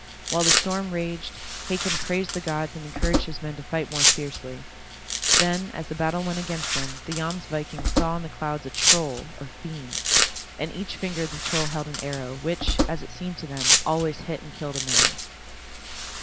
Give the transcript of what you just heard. While the storm raged, Hakon praised the gods and encouraged his men to fight more fiercely. Then, as the battle went against them, the Jomsvikings saw in the clouds a troll, or fiend. In each finger the troll held an arrow, which, as it seemed to them, always hit and killed a man.